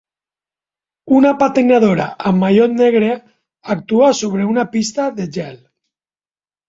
Una patinadora amb mallot negre actua sobre una pista de gel.